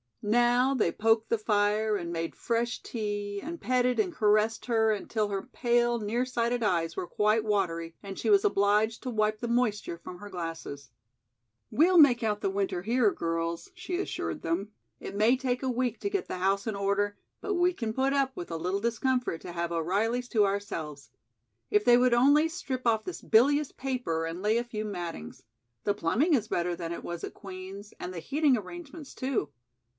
Now they poked the fire and made fresh tea and petted and caressed her until her pale, near sighted eyes were quite watery and she was obliged to wipe the moisture from her glasses. "We'll make out the winter here, girls," she assured them. "It may take a week to get the house in order, but we can put up with a little discomfort to have O'Reilly's to ourselves. If they would only strip off this bilious paper and lay a few mattings! The plumbing is better than it was at Queen's, and the heating arrangements, too."